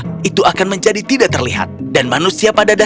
jika kita mengubah sifat sifatnya dengan cara yang lebih mudah